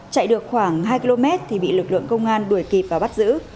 chạy được khoảng hai km thì bị lực lượng công an đuổi kịp và bắt giữ